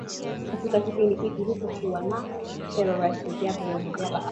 Katika kipindi hiki hakukuwa na sera rasmi ya vyombo vya habari